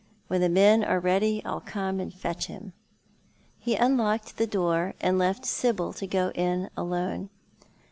When the men are ready I'll come and fetch him." He unlocked the door and left Sibyl to go in alone.